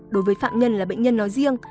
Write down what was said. đối với phạm nhân là bệnh nhân nói riêng